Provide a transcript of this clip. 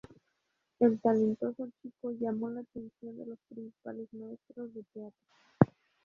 El talentoso chico llamó la atención de los principales maestros de teatro.